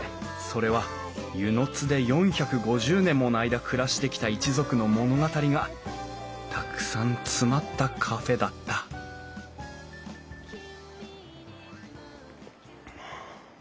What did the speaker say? それは温泉津で４５０年もの間暮らしてきた一族の物語がたくさん詰まったカフェだった」はあ。